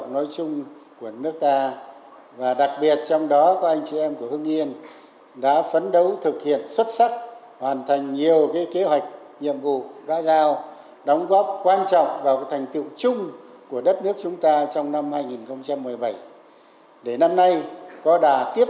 nói chuyện với công nhân lao động tổng bí thư chia sẻ